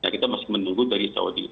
kita masih menunggu dari saudi